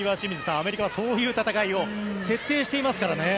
アメリカはそういう戦いを徹底していますからね。